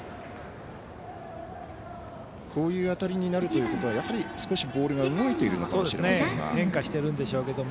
こういう当たりになるということはやはり少しボールが動いているのかもしれませんが。